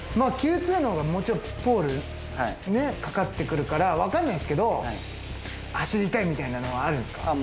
Ｑ２のほうがもちろんポールねかかってくるからわかんないですけど走りたいみたいなのはあるんですか？